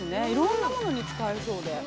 いろんなものに使えそうで。